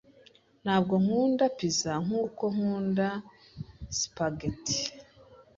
Ntabwo nkunda pizza nkuko nkunda spaghetti.